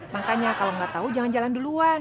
makanya kalau gak tau jangan jalan duluan